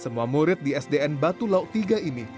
semua murid di sdn batu lautiga ini